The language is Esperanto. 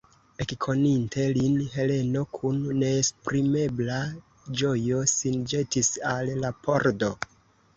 Ekkoninte lin, Heleno kun neesprimebla ĝojo sin ĵetis al la pordo.